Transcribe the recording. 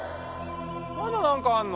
まだなんかあんの？